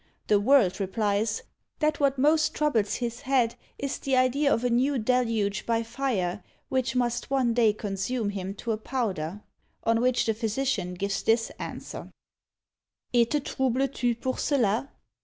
The World replies, "that what most troubles his head is the idea of a new deluge by fire, which must one day consume him to a powder;" on which the physician gives this answer: Et te troubles tu pour cela?